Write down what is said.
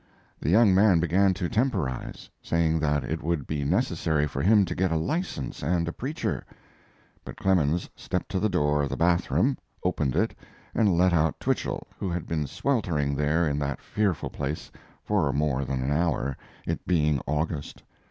The young man began to temporize, saying that it would be necessary for him to get a license and a preacher. But Clemens stepped to the door of the bath room, opened it, and let out Twichell, who had been sweltering there in that fearful place for more than an hour, it being August.